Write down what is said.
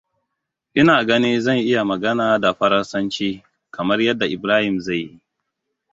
Ina ganin zan iya magana da faransanci kamar yadda Ibrahim zai yi.